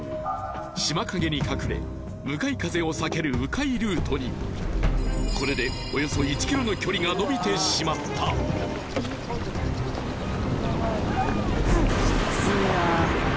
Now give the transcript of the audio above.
島陰に隠れ向かい風をさける迂回ルートにこれでおよそ１キロの距離が延びてしまったきっついな